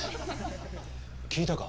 聞いたか？